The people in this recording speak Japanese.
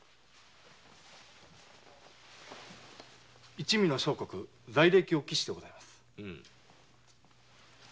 一味の生国罪歴を記してございます。